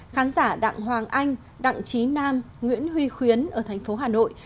khán giả đặng hoàng anh đặng trí nam nguyễn huy khuyến ở thành phố hà nội